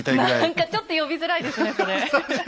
何かちょっと呼びづらいですねそれ。